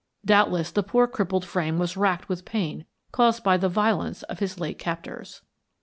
Doubtless the poor crippled frame was racked with the pain caused by the violence of his late captors.